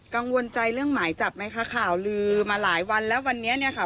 กังวลใจเรื่องหมายจับไหมคะข่าวลือมาหลายวันแล้ววันนี้เนี่ยค่ะ